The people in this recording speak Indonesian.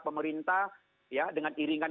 pemerintah dengan iringan